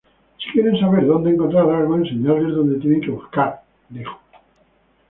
Si quieren saber dónde encontrar algo, enseñarles dónde tienen que buscar', dijo.